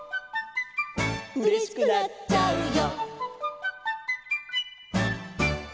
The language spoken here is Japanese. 「うれしくなっちゃうよ」